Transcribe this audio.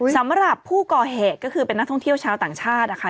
สำหรับผู้ก่อเหตุก็คือเป็นนักท่องเที่ยวชาวต่างชาตินะคะ